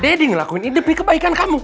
deddy ngelakuin demi kebaikan kamu